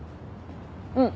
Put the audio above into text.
うん。